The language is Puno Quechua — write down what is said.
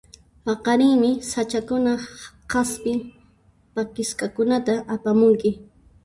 Paqarinmi sach'akunaq k'aspin p'akisqakunata apamunki.